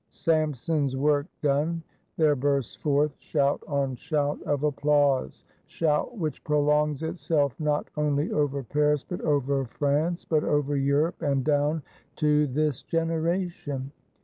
Samson's work done, there bursts forth shout on shout of applause. Shout, which prolongs itself not only over Paris, but over France, but over Europe, and down to this generation.